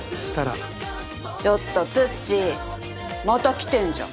ちょっとツッチーまた来てんじゃん。